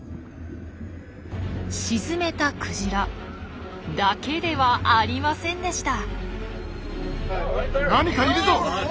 沈めたクジラだけではありませんでした。